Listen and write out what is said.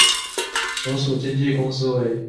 所属经纪公司为。